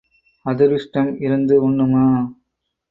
அதிருஷ்டம் இருந்து உண்ணுமா?